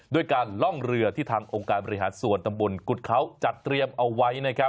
ด้วยการล่องเรือที่ทางองค์การบริหารส่วนตำบลกุฎเขาจัดเตรียมเอาไว้นะครับ